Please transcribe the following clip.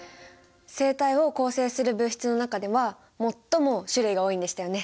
生体を構成する物質の中では最も種類が多いんでしたよね！